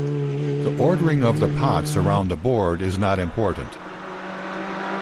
The ordering of the pots around the board is not important.